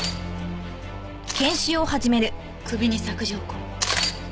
首に索条痕。